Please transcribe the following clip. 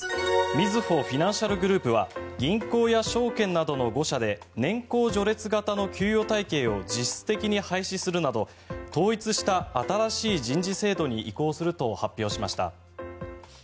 みずほフィナンシャルグループは銀行や証券などの５社で年功序列型の給与体系を実質的に廃止するなど統一した新しい人事制度に移行すると発表しました。